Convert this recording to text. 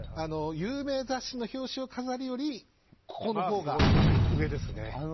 有名雑誌の表紙を飾るよりここのほうが上ですね。